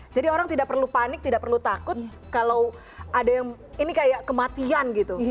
jadi orang tidak perlu panik tidak perlu takut kalau ini kayak kematian gitu